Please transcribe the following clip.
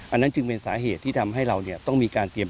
อันนั้นจึงเป้นสาเหตุที่้มเรามีการเตรียมพร้อมพร้อมในการป้องกัน